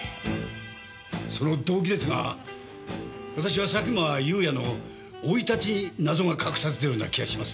その動機ですが私は佐久間有也の生い立ちに謎が隠されてるような気がします。